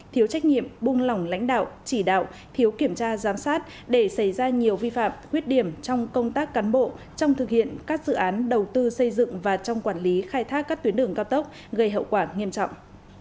thiếu trách nhiệm buông lỏng lãnh đạo chỉ đạo thiếu kiểm tra giám sát để xảy ra nhiều vi phạm khuyết điểm trong công tác cán bộ trong thực hiện các dự án đầu tư xây dựng và trong quản lý khai thác các tuyến đường cao tốc gây hậu quả nghiêm trọng